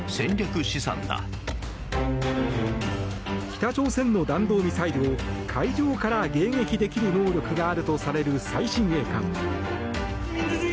北朝鮮の弾道ミサイルを海上から迎撃できる能力があるとされる最新鋭艦。